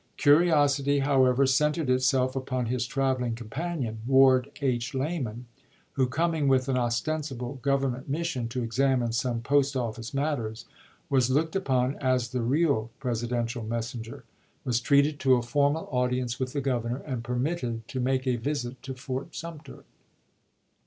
Curiosity, however, centered itself upon his traveling companion, Ward H. Lamon, who, coming with an ostensible Government mission to examine some post office matters, was looked upon as the real Presidential messenger, was treated to a formal THE QUESTION OF SUMTER 391 audience with the Governor, and permitted to ch. xxiii. make a visit to Fort Sumter.